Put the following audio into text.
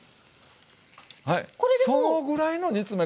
はいそのぐらいの煮詰め